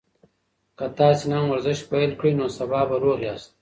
که تاسي نن ورزش پیل کړئ نو سبا به روغ یاست.